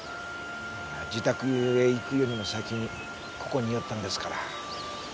自宅へ行くよりも先にここに寄ったんですから。